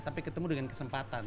tapi ketemu dengan kesempatan